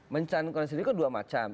mencalonkan sendiri kan dua macam